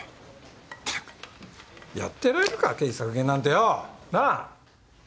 ったくやってられるか経費削減なんてよなぁ。